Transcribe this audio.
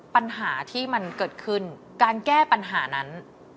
ปัญหาที่มันเกิดขึ้นการแก้ปัญหานั้น